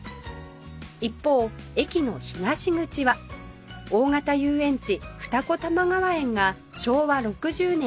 一方駅の東口は大型遊園地二子玉川園が昭和６０年に閉園